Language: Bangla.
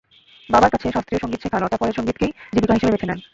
বাবার কাছে শাস্ত্রীয় সংগীত শেখা লতা পরে সংগীতকেই জীবিকা হিসেবে বেছে নেন।